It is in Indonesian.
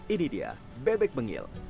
ini dia bebek bengil